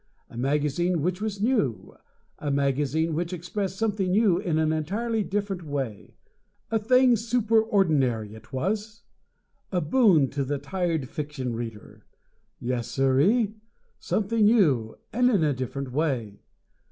A magazine which was new, a magazine which expressed something new in an entirely different way! A thing super ordinary, it was a boon to the tired fiction reader. Yessirree! Something new and in a different way!